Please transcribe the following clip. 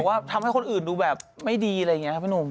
ว่าทำให้คนอื่นดูแบบไม่ดีอะไรอย่างนี้ครับพี่หนุ่ม